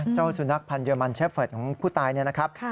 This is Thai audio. เจ้าสุนัขพันธ์เรมันเชฟเฟิร์ตของผู้ตายเนี่ยนะครับ